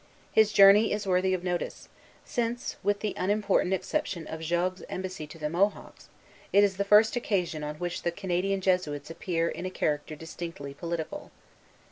His journey is worthy of notice, since, with the unimportant exception of Jogues's embassy to the Mohawks, it is the first occasion on which the Canadian Jesuits appear in a character distinctly political.